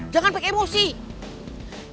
jangan pakai emosi